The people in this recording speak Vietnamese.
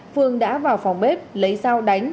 phương đã vào phòng bếp lấy rau đánh